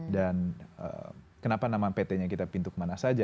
dan kenapa nama pt nya kita pintu kemana saja